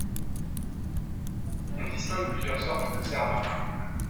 On distingue plusieurs sortes de serments.